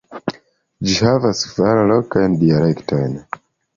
Ĝi havas kvar lokajn dialektojn.